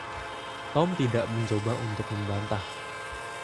Tom tidak mencoba untuk membantah.